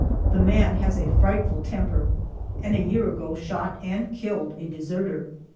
The man has a frightful temper, and a year ago shot and killed a deserter.